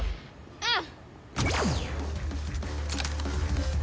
うん。